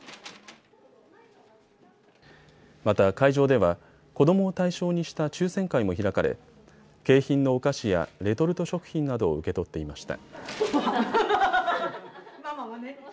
また会場では子どもを対象にした抽せん会も開かれ景品のお菓子やレトルト食品などを受け取っていました。